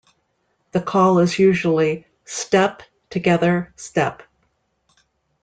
The call is usually: "step, together, step".